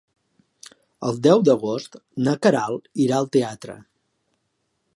El deu d'agost na Queralt irà al teatre.